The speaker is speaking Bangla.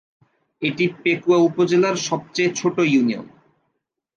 এটি পেকুয়া উপজেলার সবচেয়ে ছোট ইউনিয়ন।